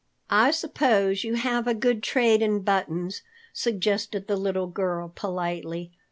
"I suppose you have a good trade in buttons," suggested the little girl politely.